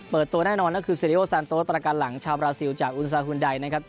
ตัวแน่นอนก็คือเซริโอซานโต๊ดประกันหลังชาวบราซิลจากอุณซาฮุนไดนะครับ